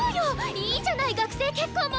いいじゃない学生結婚も！